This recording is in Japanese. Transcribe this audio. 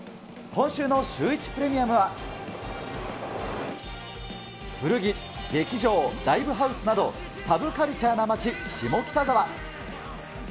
今週のシュー１プレミアムは古着、劇場、ライブハウスなど、サブカルチャーな街、下北沢。